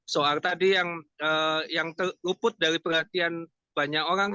soal tadi yang terluput dari perhatian banyak orang